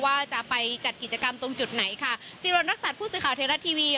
ว่าจะไปจัดกิจกรรมตรงจุดไหนค่ะสิริวัณรักษัตริย์ผู้สื่อข่าวไทยรัฐทีวี